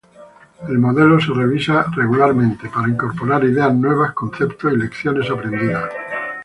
El modelo se revisa regularmente para incorporar ideas nuevas, conceptos y lecciones aprendidas.